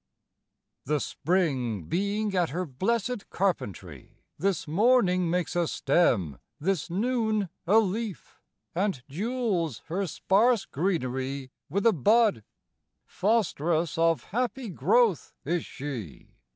THE spring being at her blessed carpentry, This morning makes a stem, this noon a leaf, And jewels her sparse greenery with a bud; Fostress of happy growth is she.